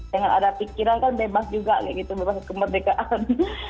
dengan ada pikiran kan bebas juga kayak gitu bebas kemerdekaan